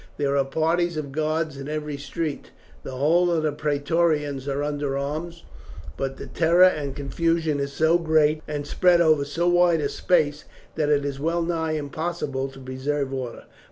There are parties of guards in every street. The whole of the Praetorians are under arms, but the terror and confusion is so great and spread over so wide a space that it is well nigh impossible to preserve order.